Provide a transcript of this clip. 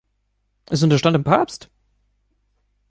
Es unterstand dem Papst.